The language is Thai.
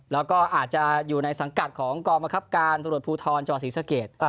แล้วก็อาจจะอยู่ในสังกัดของกองบังคับการตรวจภูทรจังหวัดศรีสะเกด